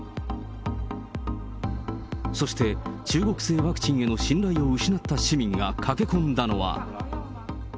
そして中国製ワクチンへの信頼を失った市民が駆け込んだのは。